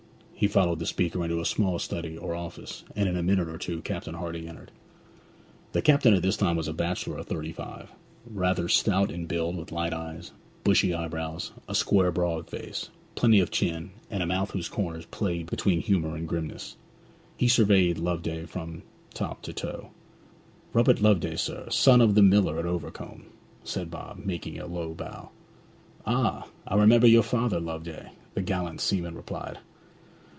He followed the speaker into a small study or office, and in a minute or two Captain Hardy entered. The captain at this time was a bachelor of thirty five, rather stout in build, with light eyes, bushy eyebrows, a square broad face, plenty of chin, and a mouth whose corners played between humour and grimness. He surveyed Loveday from top to toe. 'Robert Loveday, sir, son of the miller at Overcombe,' said Bob, making a low bow. 'Ah! I remember your father, Loveday,' the gallant seaman replied.